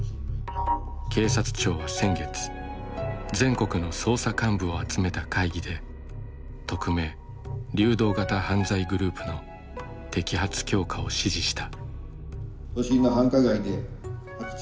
警察庁は先月全国の捜査幹部を集めた会議で匿名・流動型犯罪グループの摘発強化を指示した。